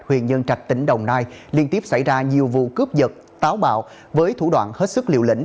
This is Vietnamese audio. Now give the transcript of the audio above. huyện nhân trạch tỉnh đồng nai liên tiếp xảy ra nhiều vụ cướp giật táo bạo với thủ đoạn hết sức liều lĩnh